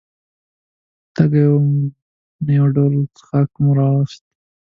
تږي هم وو، نو یو ډول څښاک مو را واخیستل.